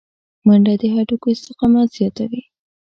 منډه د هډوکو استقامت زیاتوي